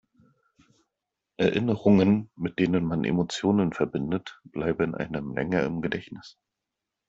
Erinnerungen, mit denen man Emotionen verbindet, bleiben einem länger im Gedächtnis.